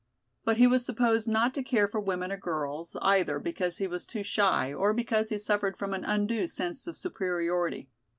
But he was supposed not to care for women or girls, either because he was too shy, or because he suffered from an undue sense of superiority.